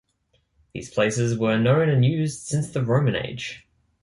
These places were known and used since the Roman age.